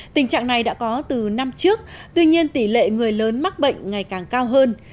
tình trạng này đã có từ năm trước tuy nhiên tỷ lệ người lớn mắc bệnh ngày càng cao hơn